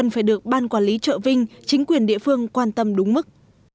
và lý trợ vinh chính quyền địa phương quan tâm đúng mức